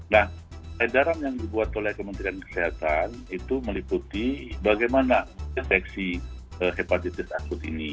nah edaran yang dibuat oleh kementerian kesehatan itu meliputi bagaimana deteksi hepatitis akut ini